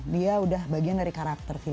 dia udah bagian dari karakter film